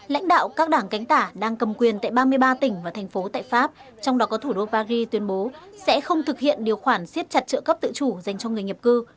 lãnh đạo các đảng cánh tả đang cầm quyền tại ba mươi ba tỉnh và thành phố tại pháp trong đó có thủ đô paris tuyên bố sẽ không thực hiện điều khoản siết chặt trợ cấp tự chủ dành cho người nhập cư